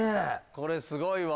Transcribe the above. これすごいわ！